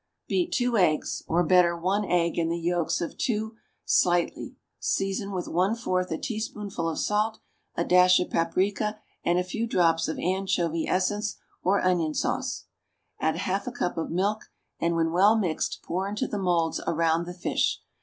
Beat two eggs (or, better, one egg and the yolks of two) slightly, season with one fourth a teaspoonful of salt, a dash of paprica and a few drops of anchovy essence or onion juice; add half a cup of milk, and, when well mixed, pour into the moulds around the fish.